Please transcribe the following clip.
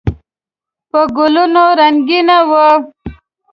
په ګلونو رنګین و.